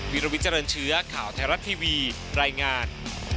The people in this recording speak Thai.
วิลวิเจริญเชื้อข่าวไทยรัฐทีวีรายงาน